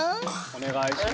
お願いします。